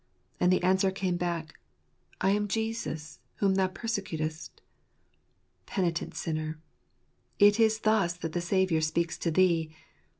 " And the answer came back, "I am Jesus, whom thou persecutest." Penitent sinner ! it is thus that thy Saviour speaks to thee.